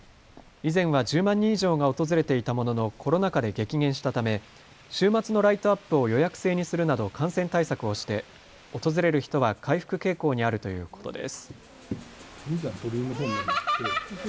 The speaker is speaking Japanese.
以前は１０万人以上が訪れていたもののコロナ禍で激減したため週末のライトアップを予約制にするなど感染対策をして訪れる人は回復傾向にあるということです。